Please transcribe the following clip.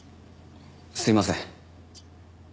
すいません。